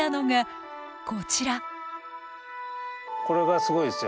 これがすごいですよ。